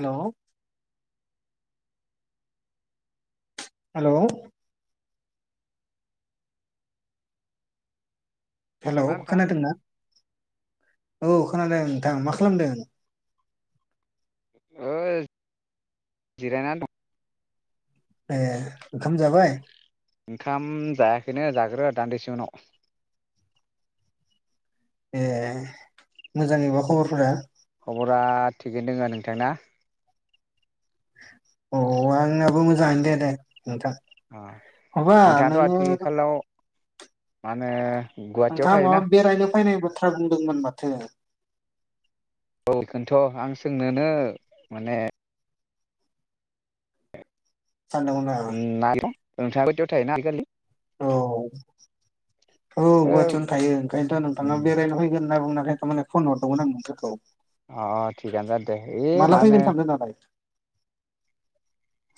हेल हेल hello खोनादोंना? औ खोनादों नोंथां मा खालामदों? ओ जिरायनानै दं। ए ओंखाम जाबाय? ओंखाम जायाखैनो जागोन र दान्दिसे उनाव ए मोजाङै बा खबरफोरा? खबरा थिगैनो दोङो नोंथांना। अ आंनाबो मोजाङै दे दे। नोंथां अ माबा नोङो माने नोंथाङा माबा बेरायनो फैनायबो बाथ्रा बुंदोंमोन माथो? औ बेखौनोथ आं सोंनोनो माने सानदोंमोन आरो नागिर नोंथाङा गुवाहाटीयाव थायोना आजिखालि? औ औ ओ गुवाहाटियावनो थायो ओंखायनोथ नोंथाङा बेरायनो फैगोन होनना बुंनायखाय थारमाने फन हरगौमोन आं नोंथांखौ अ थिगानो जादोदे ऐ माला मा होनो फैगोन सानदों दालाय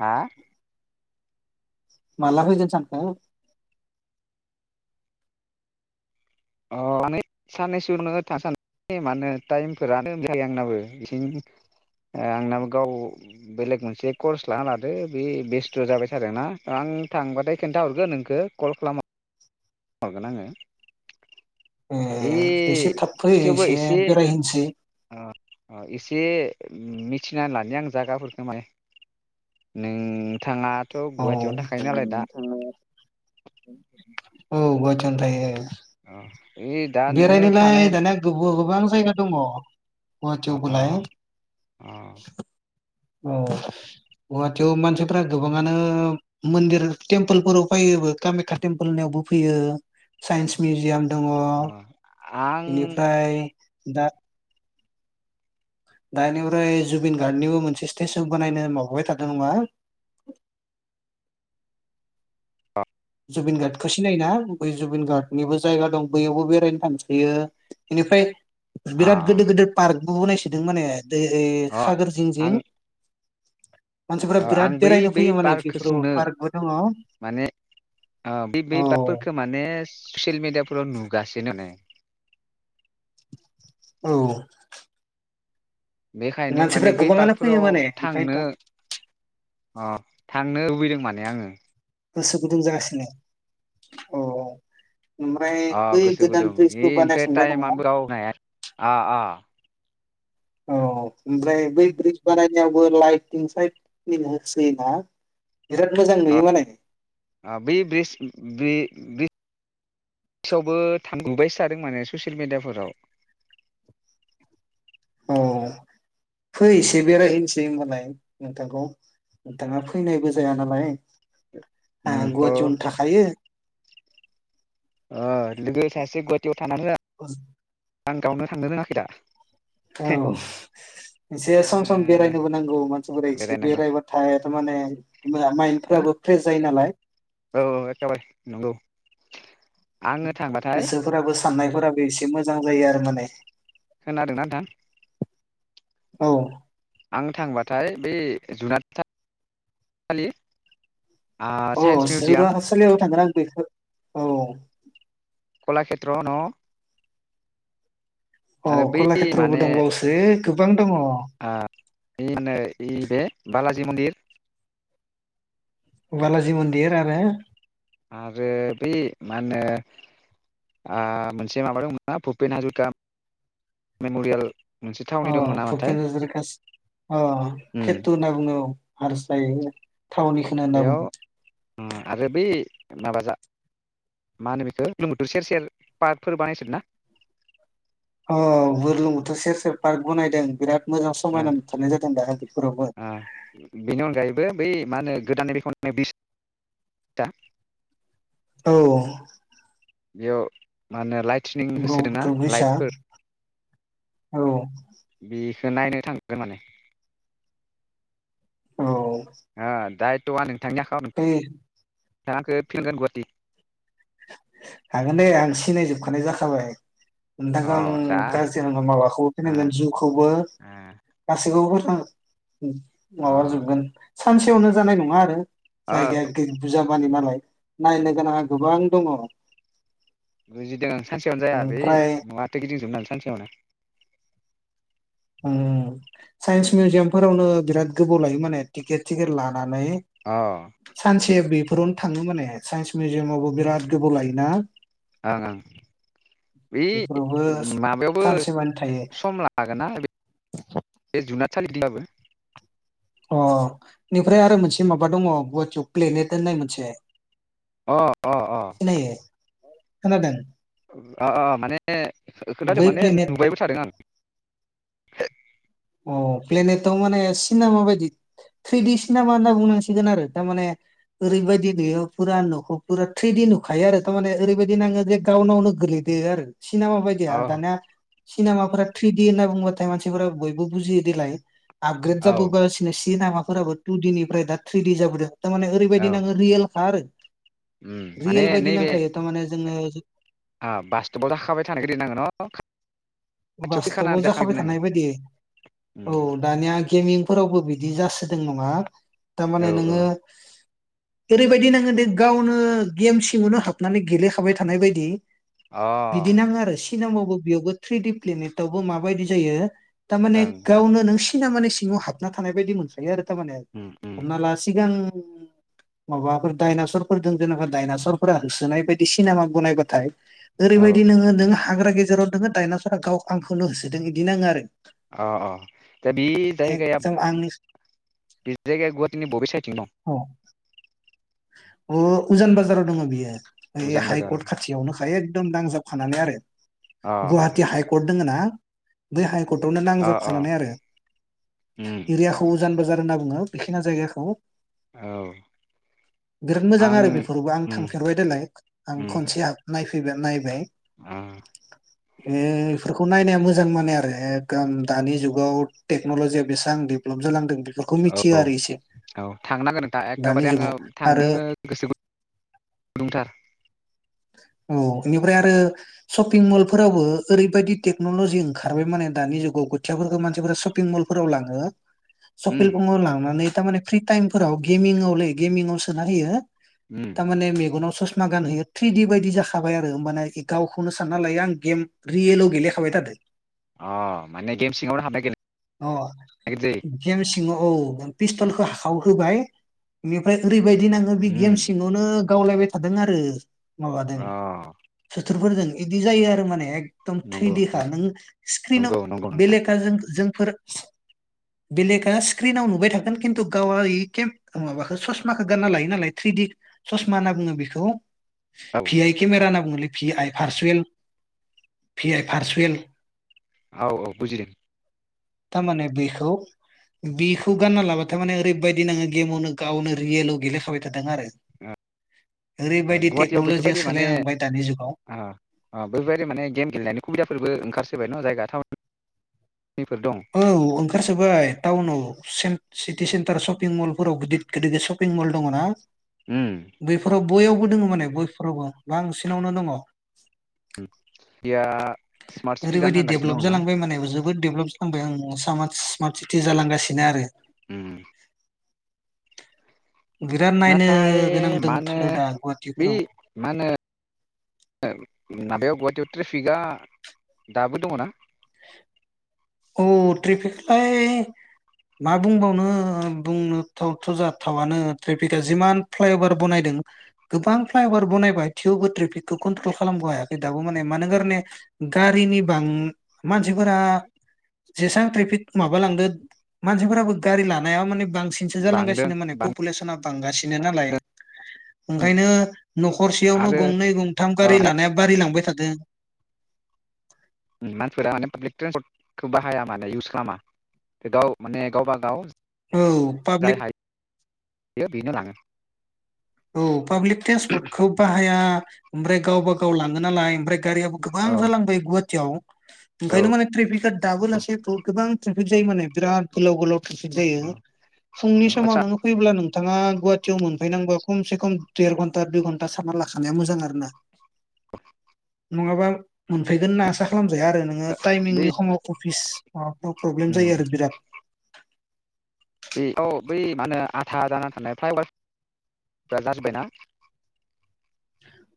हा माला फैगोन सानखो? अ माने साननैसो उनावनो थांनो सानदो मानो टाइम फोरानो मिलाया आंनाबो आथिं ओ गाव बेलेग मोनसे कर्स लाना लादो। बे बेस्थ जाबायथादोना आं थांबाथाय खोन्थाहरगोन नोंखो कल खालाम हरगोन आङो ए ए एसे थाब फै थेवबो एसे बेरायहैनसै एसे मिथिना लानि आं जायागाफोरखो माने नोंथाङा औ नोंथाङा औ गुवाहाटीयावनो थायो। ओइ दा नोङो बेरायनोलाय थानाय दाना गबो गोबां जायगा दङ अ गुवाहाटीयावबोलाय अ औ गुवाहाटियाव मानसिफोरा गोबाङानो मन्दिर टेम्पोलफोराव फैयो कामाख्या टेम्पोलनियावबो फैयो साइन्स मिउजियाम दङ अ आं बेनिफ्राय दा दानिफ्राय जुबिन गार्डनिबो मोनसे स्टेसन बानायनो माबाय थादों नामा? जुबिन गार्डखौ सिनाय ना बै जुबिन गार्डनिबो जायगा दं बैयावबो बेरायनो थांसायो बेनिफ्राय बिराद अ गोदर गोदोर पार्क बो बानायसोदों माने दै अ हागोर जिं जिं मानसिफोरा आं आं बिराद बै बेरायनो बै फैयो माने पार्कखौ इफोराव पार्कबो दङ ओ बे बै औ पार्करखौ माने ससियेल मेडियाफोराव नुगासिनो ए औ बेखायनो मानसिफ्रा माने बै गोबाङानो फैयो पार्कफोराव माने थांनो अ ओंखायनोथ' थां थांनो लुबैदों माने आङो गोसो गुदुं जागासिनो औ ओमफ्राय अ बै गोसो गोदान गुदुं इ ब्रिजबो ओमफ्राय बानायखांबाय नङा टाइमा रावबो होनो‌ हाया आ आ औ ओमफ्राय बै ब्रिज बानायनायावबो लाइटिं साइटिं होसोयो ना ओ बे ब्रिस ब्रि थेवबो थांबायसो थादों माने ससियेल मिडियाफोराव औ फै एसे बेरायहैनोसै होमबालाय नोंथांखौ नोंथाङा फैनायबो जाया नालाय आं उम अ गुवाटीयावनो थाखायो ओ लोगो सासे गुवाटियाव थाना होया औ आं गावनो थांनो रोङाखै दा औ एसे सम सम ओ बेरायनोबो नांगौ मानसिफोरा एसे बेरायनांगौ बेरायबाथाय माने माइन्दफ्राबो फ्रेश जायो नालाय औ एखेबारे नंगौ आङो थांबाथाय गोसोफोराबो साननायफोराबो एसे मोजां मोजां जायो आरो माने खोनादों‌ ना नोंथां औ आं थांबाथाय बे। जुनाद सालि अह जुनादसालियाव थांगोन आं बेखौ। औ। कलाक्षेत्र न आरो अह बै कलाक्षेत्रबो माने दंबावोसो। गोबां दङ। बेनो बे बालाजि मन्दिर बालाजि मन्दिर आरो आरो बै मा होनो मोनसे माबा दंमोन भुपेन हाजरिका मेमरियेल। मोनसे अ थावनि दंमोन नामाथाय भुपेन हाजरिआ उम केथु होनना बुङो औ। [unintelligible] थावनिखौ होनना बेयाव ओ बुङो। आरो बै माबा जा मा होनो बेखौ बुरलुंबुथुर सेर सेर पार्क फोर बानायसोदोंना? अह बुरलुंबुथुर सेर सेर पार्क बानायदों बिराद। मोजां ओ समायना नुथारनाय जादों दा बेफोरावबो ओ बेनि अनगायैबो बै मा होनो गोदानै बेखौ बिस आ औ बेयाव मा होनो लाइत ब्रह्मपुत्र ब्रिजा औ बेखौ नायनो थांगोन माने औ दाय [unintelligible] थांनो [unintelligible] फै [unintelligible] गुवाहाटि हागोन दे आं सिनायजोबखानाय जाखाबाय नोंथांखौ अ आं दा गाज्रि नांगा माबाखौबो ओ फैनांगोन जिउखौबो गासैखौबो औ ओ माबाजोबगोन अ सानसेयावनो जानाय नङा आरो अ जायगाया बुरजाबानि नालाय नायनो गोनाङा गोबां दङ बुजिदों आं सानसेयावनो जाया बै ओमफ्राय महाथो गिदिंजोबनो हानसै सानसेयावनो साइन्स मिउजियाम फोरावनो बिराद गोबाव लायो माने टिकेट सिकेट ला नाय अ ओं सानसे बे बेफोरावनो थाङो माने साइन्स मिउजियामावबो बिराद गोबाव लायोना ओं ओं बि बेफोरावबो माबायावबो सानसेमानि थायो सम लागोन ना बे जुनाद सालिब्लाबो अ बेनिफ्राय आरो मोनसे माबा दङ गुवाहाटीआव प्लेनेट होननाय मोनसे अ अ अ खोनायो खोनादों माने खोनथादों बै माने प्लेनेट नुबायबो थादों आं अ प्लेनेटाव माने सिनेमा बायदि ट्रेदि सिनेमा होनना बुंनांसिगोन आरो थारमाने ओरैबायदि बेयाव नुयो फुरा न'खौ फुरा ट्रेदि नुखायो आरो थारमाने ओरैबायदि नाङो जे गावनावनो गोलैदो आरो सिनेमा बायदि आरो अ दानिया सनेमाफोरा ट्रिदि होनना बुंबाथाय मानसिफोरा बयबो बुजि देलाय आग्रोद औ जाबोगासिनो सिनामा फोराबो टु देनिफ्राय दा ट्रि दि जाबोदों थारमाने ओरैबायदि औ नाङो रियेल आरो उम माने रियेल बायदि नैबे नांखायो थारमाने [unintelligible] [unintelligible] खाथियाव बास्टपाव फैखानानै जाखाबाय थानाय जाखाग्रोनांगोन बायदि औ दानिया गेमिंफोरावबो बिदि जासो दों नङा थारमाने औ नोङो ओरैबायदि नाङो दे गावनो गेम सिङावनो हाबनानै गेलेखाबाय थानाय बायदि औ बिदि नाङो आरो खि नामावबो बेयावबो थ्रिडि प्लिनिथावबो माबायदि जायो अ थारमाने ओं गावनो नों सिना माने सिङाव हाबना थानाय बायदि मोनखायो आरो थारमाने उम उम हमना ला सिगां माबाफोर डायनासरफोर दों जेनेबा दडायनासरफोरा होसोनाय बायदि सिनेमाखौ नायबाथाय औ ओरैबायदि नोङो नों हाग्रा गे जेराव दोङो डायनास गाव आंखौनो होसोदों बिदि नाङो आरो अ अ दा बे जायगाया जों आंनि बे जायगाया गुवाहाटिनि बबे साइडथिं दं अ उजान बाजाराव दङो बियो ए उजान बाजाराव हाइकर्ट खाथियावनोखा ए दम दांजाबखानानै आरो अ गुवाहाटि हाइकर्ट दोङो ना बै हाय कर्टावनो अ अ नांजाबखानानै आरो उम एरियाखौ उजान बाजार होनना बुङो बेखिना जायगाखौ औ बिराद मोजां आं आरो बेफोरावबो आं उम थांफेरबाय नालाय आं खनसे नायफ फैबा नायबाय उम ए इफोरखौ नायनाया मोजां माने आरो एकदम दानि जुगाव टेक्नलजिया बेसेबां डेभेलप जालांदों बेफोरखौ मिथियो औ आरो इसे औ थांनांगोन नोंथां दानि एखेबारे आङो जुगाव थांनो आरो गोसो गुदुंथार औ बेनिफ्राय आरो शपिं मल फोरावबो ओरैबायदि टेक्न'लजि ओंखारबाय माने दानि जुगाव खोथियाफोरखौ मानसिफोरा शपिं मलफोराव लाङो उम [unintelligible] लांनानै दा मामे फ्रि टाइमफोराव गेमिंआवलै गेमिं सोना होयो उम थार माने मेगनाव सस मा गान होयो थ्रिडी बायदि जाखाबाय आरो होमबाना गावखौनो सानना लायो आं गेम रियेलाव गेलेखाबाय थादो। अ माने गेम सिङावनो हाबनो अ गेले ज गेम सिङाव औ पिस्टलखौ हाखाव होबाय बेनिफ्राय बेबायदिनो आङो बे गेम उम सिङावनो गावलायबाय थादों आरो। माबादों अ बोथोरफोरजों बिदि जायो आरो माने। एकदम नंगौ थैदिखा नों स्क्रिनाव नंगौ नंगौ नोंथां बेलेक जों जों बेलेकआ स्क्रिनाव नुबाय थागोन खिन्थु गाव माबाखौ स ससमाखौ गानना लायो नालाय थ्रिडी ससमा होनना बुङो बेखौ औ भि आइ केमेरा होनना बुंङोलै। फि आइ फारसुयेल फि आइ फारसुयेल औ औ बुजिदों। थारमाने बेखौ बेखौ गानना लाबाथाय माने ओरैबायदि नाङो गेमावनो गावनो रियेलाव गेलेखाबाय थादों आरो। ओ ओरैबायदि गुवाहाटियाव टेक्न'लजिया बेफोरबायदि माने सोलायलांबाय दानि जुगाव अ बेफोरबायदि माने गेम गेलेनायनि सुबिदाफोरबो ओंखारसै [unintelligible] बाय न जायगा था औ ओंखारसोबाय टाउनाव [unintelligible] सिटि सेन्टार शपिं मलफोराव गिदिर गिदिर गिदिरशपिं मल दङ ना? उम बेफोराव बयावबो दङ माने बयफोरावबो बांसिनावनो दङ। [unintelligible] स्मार्ट सिटि जानो ओरैबायदि थांगासिनो डेभलप दंना जालांबाय माने जोबोद डेभलप खालामबाय आं स स्मार् सिटि जालांगासिनो आरो। उम बिराद नायनो नाथाय गोनां मा होनो दंथारो दा बे गुवाहाटिफोराव मा होनो [unintelligible] माबायाव गुवाहाटियाव ट्रेफिकआ दाबो दङना? औ ट्रेफिकलाय मा बुंबावनो बुंनो थावथ' जाथावानो ट्रेफिकआ जिमान फ्लाइअभार बनायदों गोबां फ्लाइअभार बनायबाय थेवबो ट्रेफिकखौ कन्ट्रल खालामनो हायाखै दाबो माने मानो गारने गारिनि बां मानसिफोरा जेसेबां ट्रेफिक माबालांदो मानसिफोराबो गारि लानाया माने बांसिनसो बांदों जालांगासिनो माने बां पपुलेसनना बांगासिनो नालाय ओंखायनो न'खरसेयावनो आरो गंनै गंथाम ओ गारि लानाया बारि लांबाय थादों। मानसिफोरा माने पाब्लिक ट्रेन्सपर्टखौ बाहाया माने इउस खालामा माने गावबा गाव औ जाय पाब्लिक हायो बेनो लाङो औ पाब्लिक ट्रेन्सपर्टखौ बाहाया ओमफ्राय गावब गाव गाव लाङो नालाय ओमफ्राय गारियाबो गोबां औ जालांबाय गुवाहाटियाव औ ओंखायनो माने ट्रेफिकआ दाबोलासेैथ' गोबां ट्रेफिक जायो माने बिराद गोलाव गोलाव। ट्रेफिक जायो फुंनि समाव आदसा नोङो फैयोब्ला नोंथाङा। गुवाहाटीआव मोनफैनांगौ। खमसे खम देर घन्टा दुइ घन्टा सारना लाखानाया मोजां आरो ना [inaudible] नङाबा मोनफैगोना आसा खालाम आरो नोङो बे टाइमिंनि समाव अफिस माबा प्रब्लेम उम जायो आरो बिराद। बे औ बै म होनो आथा जानानै थानाय फ्राय जाजोबबायना।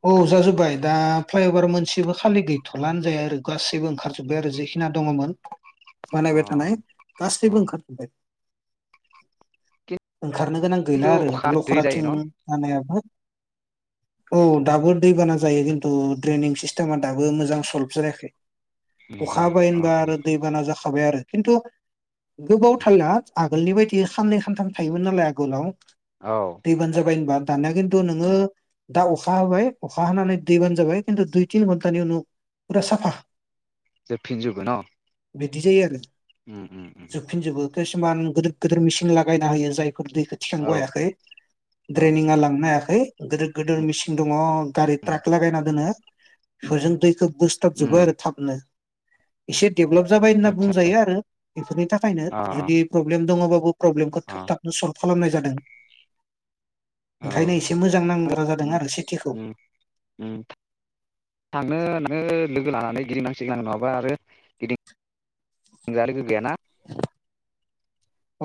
औ जाजोबबाय दा फ्लाइअभार मोनसेबो खालि गैथलानो होनजायो आरो गासैबो ओंखारजोबबाय आरो जेखिना दङमोन। अ बानायबाय थानाय अ गासैबो ओंखार जोबबाय। ओंखारनो गोनां गैला खिन्थु आरो अखा दै जायो लखराथिं न' जानायाबो। औ दाबो दैबाना जायो खिन्थु दड्रेेनं सिस्टेमा दाबो मोजां सल्भ जायाखै। अखा नङा हाबाय अ होनबा आरो दैबाना जाखा। थाबाय आरो खिन्थु गोबाव थाला आगोलनि बायदि खाननै खानथाम थायोमोन नालाय आगोलाव। औ दै बान जाबाय होनबा? दानया खिन्थु नोङो दा अखा होबाय अखा हानानै दैबानो जाबाय खिन्थु दुइ तिन घन्टानि उनाव फुरा साफा। जे फिनजुबो न बिदि जायो आरो। उम उम उम। किसुमान गदिर गदिर मेसिन लागायना होयो जाय। दैखौ थिखाखं औ हायाखै औ ड्रेनिङा लांनो हायाखै दो गिदिर मेसिन दङ। गारि उम ट्राक लगायना दोंनो। सुइजों दैखो। बुसथाब जोब उम आरो थाबनो। एसे देभलप जाबाय होनना आदसा आदसा बुंजायो आरो बेफोरनि थाखायनो अ जुदि प्रब्लेम। दङ बाबु। प्रब्लेम खौ अ थाब थाबनो सल' खालामनाय जादों। ओंखायनो एसे मोजां नांगौ। ओ थांनो लोगो। लानानै गिदिं नांसिगोन नङाबा आरो गिदिंग्रा लोगो गैयाना।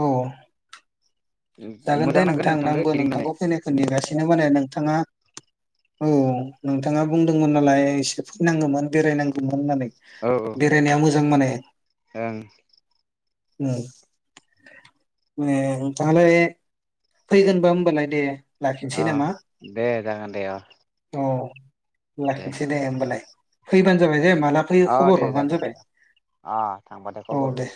औ। जागोन दे मोजां नांगोन नोंथां नोंथांखो आंबो गिदिंनानै नोंथांखौ फैनायखौ नेगासिनो माने नोंथाङा औ नोंथाङा बुंदोंमोन नालाय एसे फैनांगौमोन बेरायनांगौमोन होननानै औ बेरायनाया मोजां माने ओं उम [inaudible] फैगोनबा होमबालाय दे लाखिनोसै अ नामा दे जागोन दे लाखिनसै दे होमबालाय फैबानो जाबाय दे माला फैयो अ दे खबर हरबानो जागोन दे जाबाय अ थांबाथाय खबर औ हरगोन दे